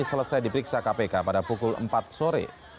selesai diperiksa kpk pada pukul empat sore